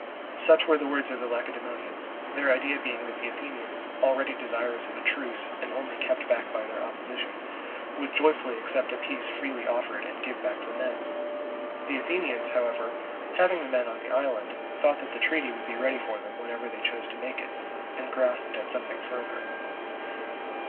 Such were the words of the Lacedaemonians, their idea being that the Athenians, already desirous of a truce and only kept back by their opposition, would joyfully accept a peace freely offered, and give back the men. The Athenians, however, having the men on the island, thought that the treaty would be ready for them whenever they chose to make it, and grasped at something further.